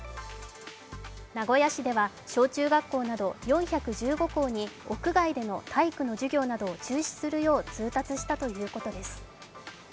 名古屋市では小中学校など４１５校に屋外での体育の授業などを中止するよう通達したということです。